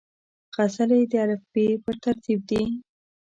غزلې د الفبې پر ترتیب دي.